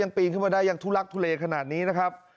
ปีนขึ้นมาได้ยังทุลักทุเลขนาดนี้นะครับ